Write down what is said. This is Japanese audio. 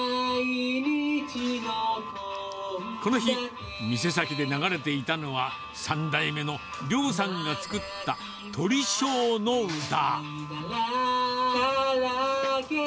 この日、店先で流れていたのは、３代目の亮さんが作った鳥正の歌。